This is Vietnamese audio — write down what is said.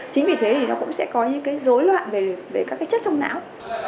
chính vì thế thì nó cũng sẽ có những cái dối loạn về các cái chất trong não